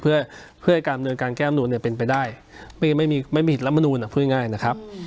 เพื่อให้การแก้อำนูญเนี่ยเป็นไปได้ไม่มีเหตุละมนูญนะพูดง่ายนะครับ